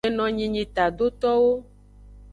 Enonyi nyi tadotowo.